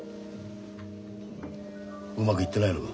うまくいってないのか。